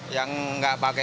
ya baru tiga hari empat hari